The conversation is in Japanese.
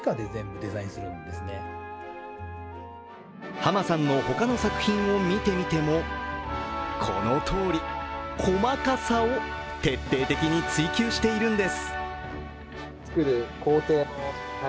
濱さんの他の作品を見てみてもこのとおり、細かさを徹底的に追求してるんです。